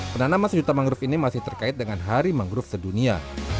penanaman sejuta mangrove ini masih terkait dengan hari mangrove sedunia